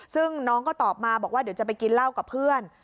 ซึ่งน้องก็ตอบมาบอกว่าเดี๋ยวจะไปกินเหล้ากับเพื่อน